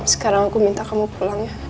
sekarang aku minta kamu pulang ya